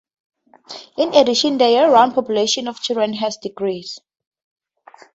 In addition the year-round population of children had decreased.